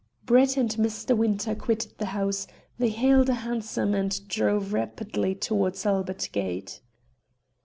Brett and Mr. Winter quitted the house; they hailed a hansom, and drove rapidly towards Albert Gate.